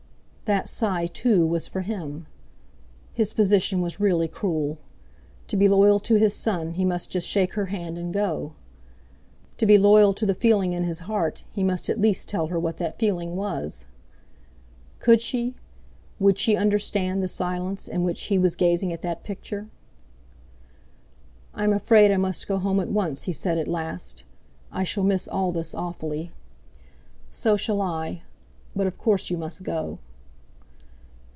That sigh, too, was for him! His position was really cruel! To be loyal to his son he must just shake her hand and go. To be loyal to the feeling in his heart he must at least tell her what that feeling was. Could she, would she understand the silence in which he was gazing at that picture? "I'm afraid I must go home at once," he said at last. "I shall miss all this awfully." "So shall I; but, of course, you must go."